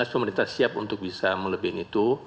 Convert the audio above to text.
pemerintah siap untuk bisa melebihin itu